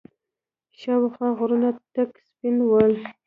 شاوخوا غرونه تک سپين ول.